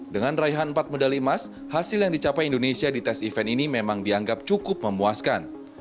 dengan raihan empat medali emas hasil yang dicapai indonesia di tes event ini memang dianggap cukup memuaskan